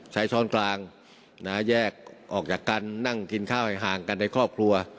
ช้อนกลางแยกออกจากกันนั่งกินข้าวให้ห่างกันในครอบครัว